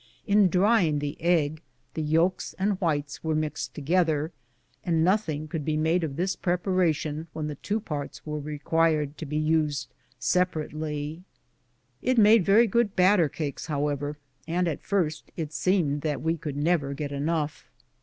In drying the egg^ the yolks and whites were mixed together, and nothing could be made of this preparation when the two parts were required to be used separately. It made very good batter cakes, however, and at first it seemed that we could never get enough.